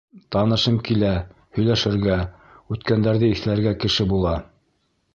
Танышым килә, һөйләшергә, үткәндәрҙе иҫләргә кеше була.